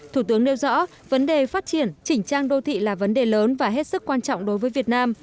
thủ tướng nêu rõ vấn đề phát triển chỉnh trang đô thị là vấn đề lớn và hết sức quan trọng đối với việt nam